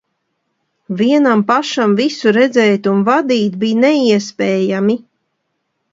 Vienam pašam visu redzēt un vadīt bija neiespējami.